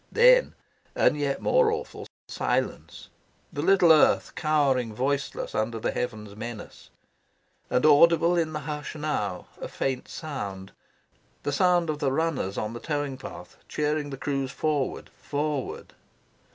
Then, and yet more awful, silence; the little earth cowering voiceless under the heavens' menace. And, audible in the hush now, a faint sound; the sound of the runners on the towing path cheering the crews forward, forward.